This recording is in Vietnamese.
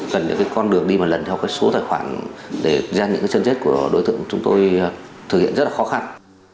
cần những con đường đi mà lần theo số tài khoản để gian những chân chết của đối tượng chúng tôi thực hiện rất là khó khăn